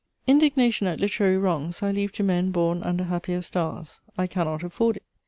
Indignation at literary wrongs I leave to men born under happier stars. I cannot afford it.